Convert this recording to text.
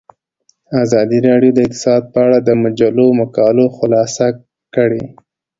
ازادي راډیو د اقتصاد په اړه د مجلو مقالو خلاصه کړې.